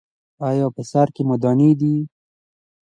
ایا په سر کې مو دانې دي؟